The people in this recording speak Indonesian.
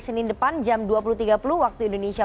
senin depan jam dua puluh tiga puluh waktu indonesia